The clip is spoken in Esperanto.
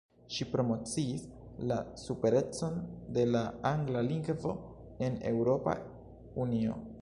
Ŝi promociis la superecon de la angla lingvo en Eŭropa Unio.